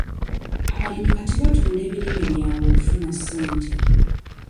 Abalimi kati batunda ebirime byabwe okufuna ssente.